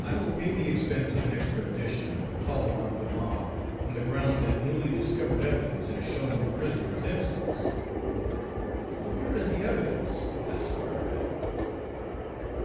I will pay the expense of an extra edition, calling off the mob, on the ground that newly discovered evidence has shown the prisoner's innocence." "But where is the evidence?" asked Carteret.